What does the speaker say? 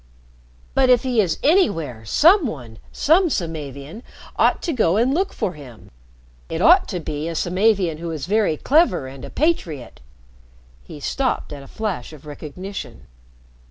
"But if he is anywhere, some one some Samavian ought to go and look for him. It ought to be a Samavian who is very clever and a patriot " He stopped at a flash of recognition.